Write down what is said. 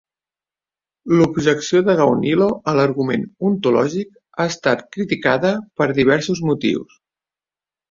L'objecció de Gaunilo a l'argument ontològic ha estat criticada per diversos motius.